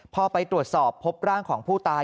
พอไปตรวจสอบพบร่างของผู้ตาย